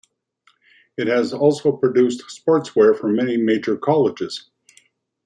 It has also produced sportswear for many major colleges.